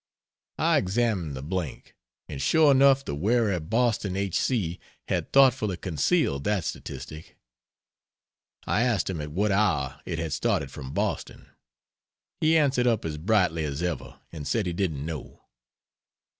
I examined the blank, and sure enough the wary Boston h. c. had thoughtfully concealed that statistic. I asked him at what hour it had started from Boston. He answered up as brightly as ever, and said he didn't know.